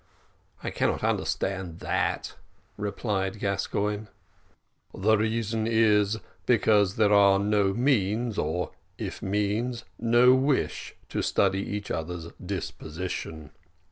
"I cannot understand that," replied Gascoigne. "The reason is, because there are no means, or if means, no wish, to study each other's disposition.